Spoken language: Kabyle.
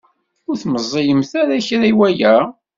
Ur tmeẓẓiyemt ara kra i waya?